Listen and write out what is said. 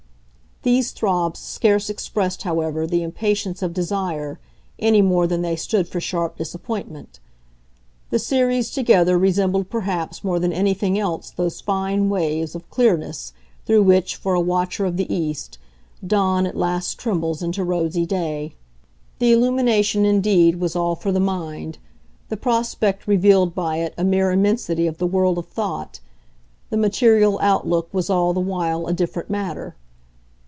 These throbs scarce expressed, however, the impatience of desire, any more than they stood for sharp disappointment: the series together resembled perhaps more than anything else those fine waves of clearness through which, for a watcher of the east, dawn at last trembles into rosy day. The illumination indeed was all for the mind, the prospect revealed by it a mere immensity of the world of thought; the material outlook was all the while a different matter.